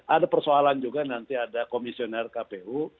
ada persoalan juga nanti ada komisioner kpu